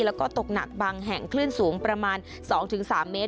แล้วก็ตกหนักบางแห่งคลื่นสูงประมาณ๒๓เมตร